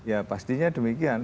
ya pastinya demikian